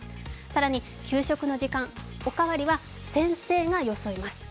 更に、給食の時間おかわりは先生がよそいます。